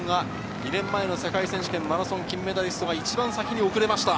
２年前の世界選手権、マラソン金メダリストが一番先に遅れました。